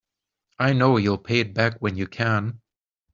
I know you'll pay it back when you can.